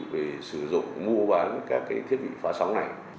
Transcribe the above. vì sử dụng mua bán các cái thiết bị phá sóng này